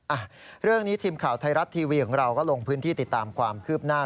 อ่ะเรื่องนี้ทีมข่าวไทยรัฐทีวีของเราก็ลงพื้นที่ติดตามความคืบหน้า